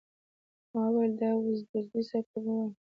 ما ویل داوودزي صیب ته به ووایم.